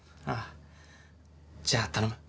ああじゃあ頼む。